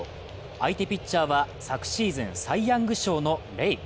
相手ピッチャーは昨シーズン、サイ・ヤング賞のレイ。